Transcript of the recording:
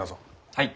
はい。